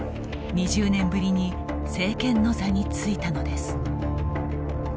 ２０年ぶりに政権の座に就いたのです。